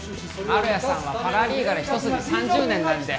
ああ丸屋さんはパラリーガル一筋３０年なんで。